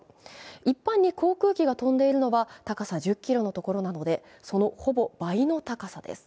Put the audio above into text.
一般に航空機が飛んでいるのは、高さ１０ｋｍのところなので、そのほぼ倍の高さです。